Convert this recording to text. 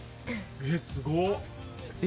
えっすごっ！